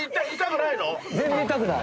全然痛くない。